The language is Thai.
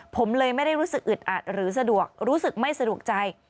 ผมเลยไม่ได้รู้สึกอึดอัดหรือสะดวกรู้สึกไม่สะดวกใจ